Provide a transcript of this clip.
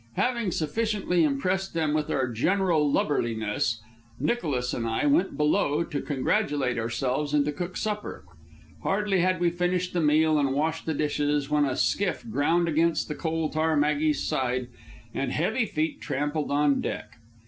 Having sufficiently impressed them with our general lubberliness, Nicholas and I went below to congratulate ourselves and to cook supper. Hardly had we finished the meal and washed the dishes, when a skiff ground against the Coal Tar Maggie's side, and heavy feet trampled on deck.